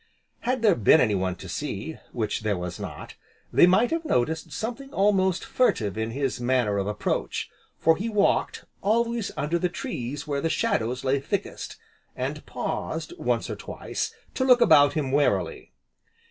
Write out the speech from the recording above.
Had there been anyone to see, (which there was not), they might have noticed something almost furtive in his manner of approach, for he walked always under the trees where the shadows lay thickest, and paused, once or twice, to look about him warily.